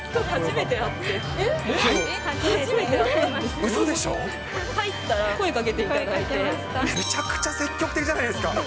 めちゃくちゃ積極的じゃないですか。